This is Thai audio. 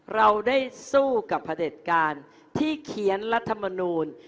เราได้สู้กับพระเด็จการที่เขียนรัฐมนูล